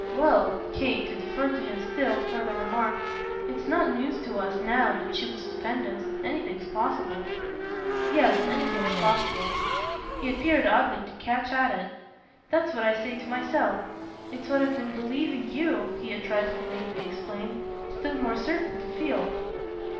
Well," Kate, to defer to him still, further remarked, "it's not news to us now that she was stupendous. Anything's possible." "Yes, anything's possible" he appeared oddly to catch at it. "That's what I say to myself. It's what I've been believing you," he a trifle vaguely explained, "still more certain to feel."